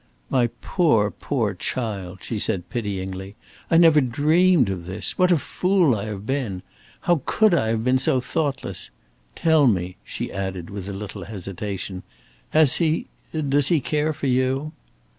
"My poor poor child!" said she pityingly. "I never dreamed of this! What a fool I have been! How could I have been so thoughtless! Tell me!" she added, with a little hesitation; "has he does he care for you?"